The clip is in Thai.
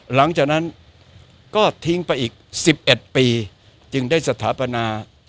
หลังจากนั้นก็ทิ้งไปอีก๑๑ปีจึงได้สถาปนา